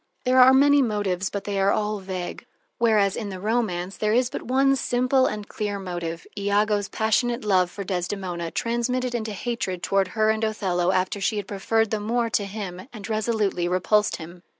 There are many motives, but they are all vague. Whereas in the romance there is but one simple and clear motive, Iago's passionate love for Desdemona, transmitted into hatred toward her and Othello after she had preferred the Moor to him and resolutely repulsed him.